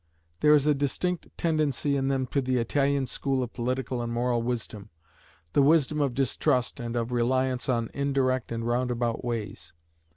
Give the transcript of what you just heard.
There is a distinct tendency in them to the Italian school of political and moral wisdom, the wisdom of distrust and of reliance on indirect and roundabout ways.